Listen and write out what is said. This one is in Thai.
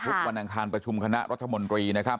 ทุกวันอังคารประชุมคณะรัฐมนตรี